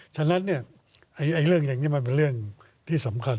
ฉะนั้นเรื่องอย่างนี้มันเป็นเรื่องที่สำคัญ